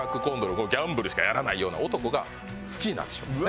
このギャンブルしかやらないような男が好きになってしまうんですね。